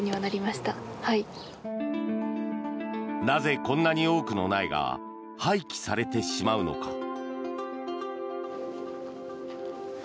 なぜ、こんなに多くの苗が廃棄されてしまうのか。